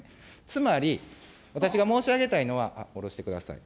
つまり、私が申し上げたいのは、下ろしてください。